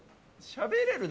しゃべれる？